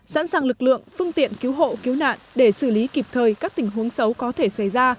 sẵn sàng lực lượng phương tiện cứu hộ cứu nạn để xử lý kịp thời các tình huống xấu có thể xảy ra